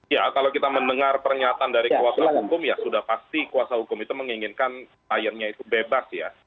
ya kalau kita mendengar pernyataan dari kuasa hukum ya sudah pasti kuasa hukum itu menginginkan kliennya itu bebas ya